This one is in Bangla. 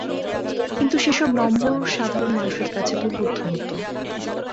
কিন্তু সেসব নম্বর সাধারণ মানুষের কাছে দুর্বোধ্য হতো।